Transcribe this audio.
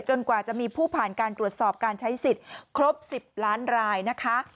กว่าจะมีผู้ผ่านการตรวจสอบการใช้สิทธิ์ครบ๑๐ล้านรายนะคะ